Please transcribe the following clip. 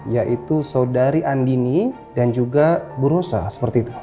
yaitu saudari andini dan juga bu rosa seperti itu